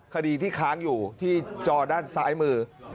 คดีที่ค้างอยู่ที่จอด้านซ้ายมือ